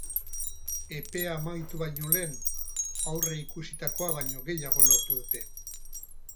Epea amaitu baino lehen, aurre ikusitakoa baino gehiago lortu dute.